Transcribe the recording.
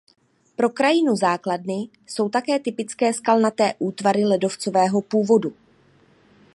Pro krajinu základny jsou také typické skalnaté útvary ledovcového původu.